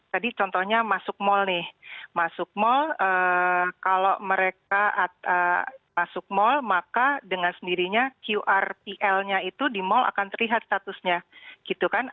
tadi contohnya masuk mal nih kalau mereka masuk mal maka dengan sendirinya qrtl nya itu di mal akan terlihat statusnya